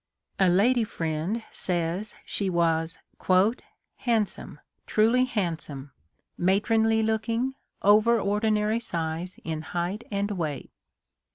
145 A lady friend * says she was " handsome, truly handsome, matronly looking, over ordinary size in height and weight."